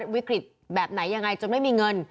วิกฤตแบบไหนยังไงจนไม่มีเงิน